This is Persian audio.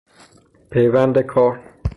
پیوند کار